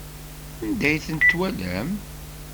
Anda ay tent-twalam?